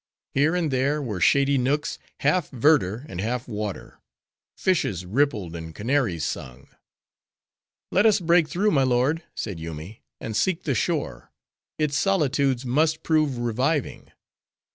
Here and there were shady nooks, half verdure and half water. Fishes rippled, and canaries sung. "Let us break through, my lord," said Yoomy, "and seek the shore. Its solitudes must prove reviving."